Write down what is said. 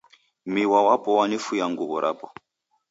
Miwa wapo w'anifuya nguw'o rapo